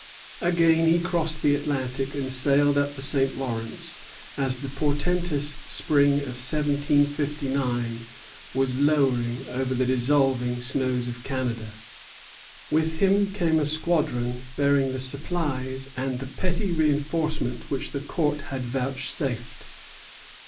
Again he crossed the Atlantic and sailed up the St. Lawrence as the portentous spring of 1759 was lowering over the dissolving snows of Canada. With him came a squadron bearing the supplies and the petty reinforcement which the Court had vouchsafed.